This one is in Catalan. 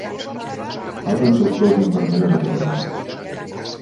Falten doctors i infermeres a Catalunya.